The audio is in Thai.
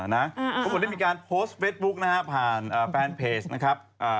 ทุกคนที่มีการโพสต์เฟสบุ๊คนะครับผ่านแฟนเพจนะครับ